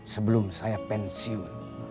sebelum saya pensiun